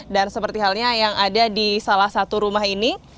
dan seperti halnya yang ada di salah satu rumah ini